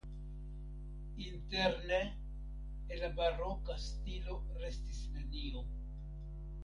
Interne el la baroka stilo restis nenio.